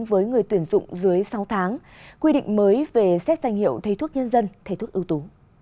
với người tuyển dụng dưới sáu tháng quy định mới về xét danh hiệu thầy thuốc nhân dân thầy thuốc ưu tú